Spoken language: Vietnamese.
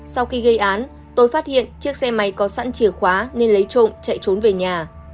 sau khi gây án tôi phát hiện chiếc xe máy có sẵn chìa khóa nên lấy trộm chạy trốn về nhà